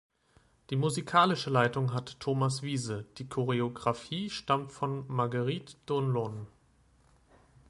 Die musikalische Leitung hatte Thomas Wiese, die Choreografie stammt von Marguerite Donlon.